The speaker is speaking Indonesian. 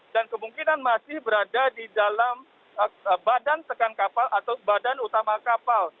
dan kemungkinan masih berada di dalam badan tekan kapal atau badan utama kapal